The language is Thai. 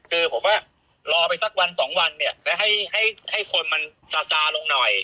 คือผมว่ารอไปสักวันสองวันเนี่ยแล้วให้คนมันซาซาลงหน่อย